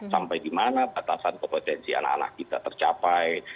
sampai di mana batasan kompetensi anak anak kita tercapai